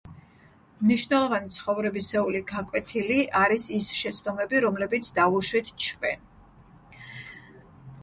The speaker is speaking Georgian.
მნიშვნელოვანი ცხოვრებისეული გაკვეთილი არის ის შეცდომები, რომლებიც დავუშვით ჩვენ.